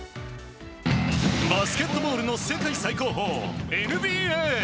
バスケットボールの世界最高峰ＮＢＡ。